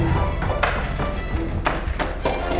dia pergi dari sini